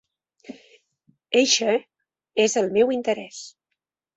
Eixe és el meu interès.